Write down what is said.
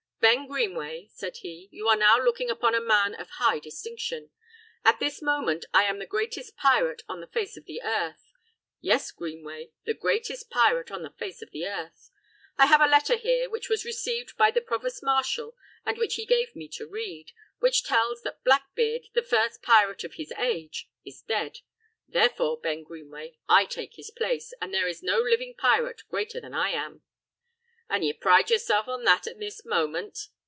"Ben Greenway," said he, "you are now looking upon a man of high distinction. At this moment I am the greatest pirate on the face of the earth. Yes, Greenway, the greatest pirate on the face of the earth. I have a letter here, which was received by the provost marshal and which he gave me to read, which tells that Blackbeard, the first pirate of his age, is dead. Therefore, Ben Greenway, I take his place, and there is no living pirate greater than I am." "An' ye pride yoursel' on that, an' at this moment?"